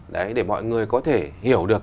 đấy để mọi người có thể hiểu được